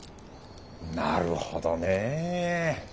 なるほどねぇ。